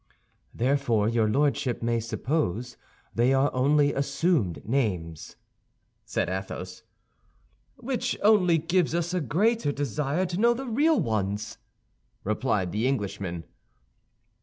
"Therefore your lordship may suppose they are only assumed names," said Athos. "Which only gives us a greater desire to know the real ones," replied the Englishman.